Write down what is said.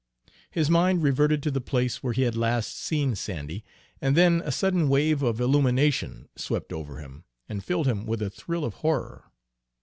His mind reverted to the place where he had last seen Sandy, and then a sudden wave of illumination swept over him, and filled him with a thrill of horror.